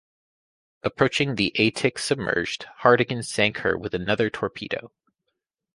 Approaching the "Atik" submerged, Hardegen sank her with another torpedo.